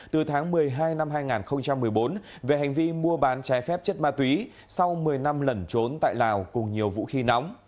từ tháng một mươi hai năm hai nghìn một mươi bốn về hành vi mua bán trái phép chất ma túy sau một mươi năm lẩn trốn tại lào cùng nhiều vũ khí nóng